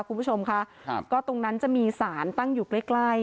คุณผู้ชมค่ะครับก็ตรงนั้นจะมีสารตั้งอยู่ใกล้ใกล้